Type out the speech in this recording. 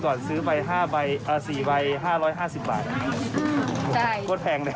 หาซื้อไม่ได้เลยใช่ไหมคะ๘๐บาทตอนนี้